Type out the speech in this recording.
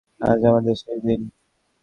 আজ আমাদের শেষ দিন।